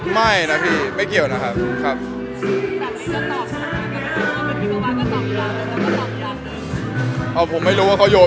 ซึ่งเป็นเรื่องมันบ้าง